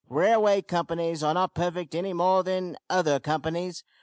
Railway companies are not perfect any more than other companies.